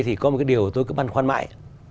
thì có một cái điều tôi cứ băn khoăn mãi